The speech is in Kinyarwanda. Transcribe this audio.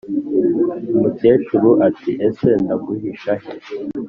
umukecuru ati:" ese ndaguhisha he?